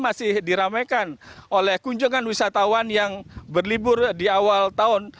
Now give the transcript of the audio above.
masih diramaikan oleh kunjungan wisatawan yang berlibur di awal tahun